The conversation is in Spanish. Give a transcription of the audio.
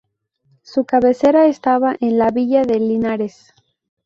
Su cabecera estaba en la Villa de Linares.